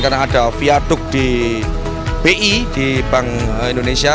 karena ada viaduk di bi di bank indonesia